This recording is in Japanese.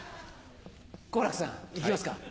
好楽さんいきますか。